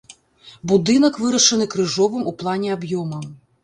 Будынак вырашаны крыжовым у плане аб'ёмам.